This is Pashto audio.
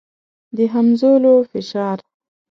د همځولو فشار.